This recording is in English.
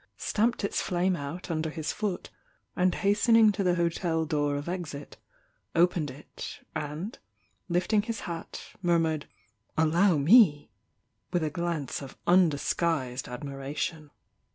stamped its flame out under his foot, and hastening to the hotel door of eat opened it, aiid, lifting his hat, murmured "Allow me! with a glance of undisguised admiration.